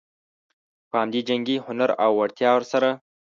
په همدې جنګي هنر او وړتیا سره.